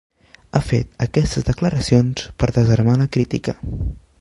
Ha fet aquestes declaracions per desarmar la crítica.